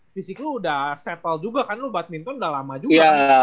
fisik lo udah setel juga kan lo badminton udah lama juga